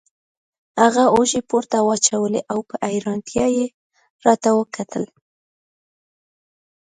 هغه اوږې پورته واچولې او په حیرانتیا یې راته وکتل.